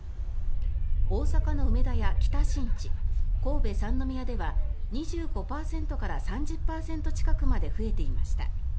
大阪の梅田や北新地神戸・三ノ宮では２５％から３０％近くまで増えていました。